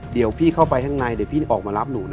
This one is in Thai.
เดี๋ยวพี่เข้าไปข้างในเดี๋ยวพี่ออกมารับหนูนะ